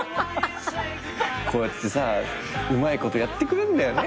こうやってさうまいことやってくれんだよね